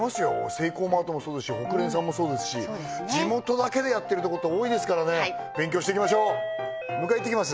セイコーマートもそうですしホクレンさんもそうですし地元だけでやってるとこって多いですからね勉強していきましょう迎えいってきます